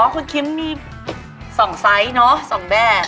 อ๋อคุณคิมมี๒ซ้ายเนาะ๒แบบ